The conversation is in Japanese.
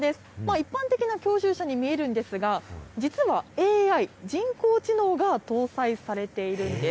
一般的な教習車に見えるんですが、実はＡＩ・人工知能が搭載されているんです。